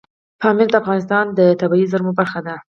پامیر د افغانستان د طبیعي زیرمو برخه ده.